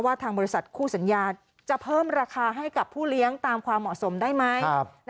ทางบริษัทคู่สัญญาจะเพิ่มราคาให้กับผู้เลี้ยงตามความเหมาะสมได้ไหม